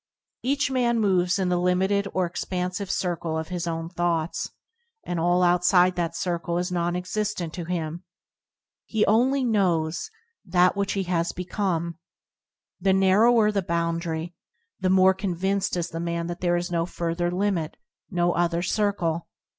Each man moves in the limited or ex pansive circle of his own thoughts, and all outside that circle is non existent to him. He only knows that which he has become. The narrower the boundary, the more con vinced is the man that there is no further TBoDp ann Circumstance limit, no other circle.